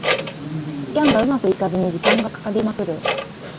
スキャンがうまくいかずに時間がかかりまくる